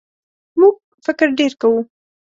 موږ فکر ډېر کوو.